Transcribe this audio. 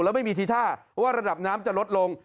แล้วไม่มีทีท่าว่าระดับน้ำจะลดลง